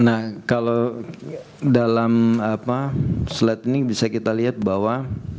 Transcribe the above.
nah kalau dalam slide ini bisa kita lihat bahwa